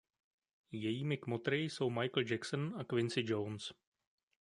Jejími kmotry jsou Michael Jackson a Quincy Jones.